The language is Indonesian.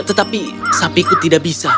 tetapi sapiku tidak bisa